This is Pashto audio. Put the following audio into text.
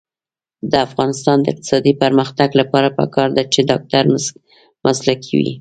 د افغانستان د اقتصادي پرمختګ لپاره پکار ده چې ډاکټر مسلکي وي.